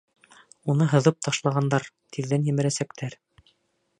Уны һыҙып ташлағандар, тиҙҙән емерәсәктәр!